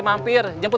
ya udah tunggu